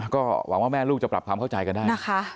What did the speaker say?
ก็หวังว่าแม่ลูกจะปรับความเข้าใจกันได้นะคะ